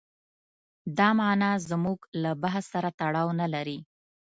دا معنا زموږ له بحث سره تړاو نه لري.